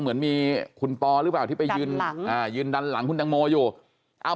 เหมือนมีคุณปอร์หรือเปล่าที่ไปยืนดันหลังคุณดังโมอยู่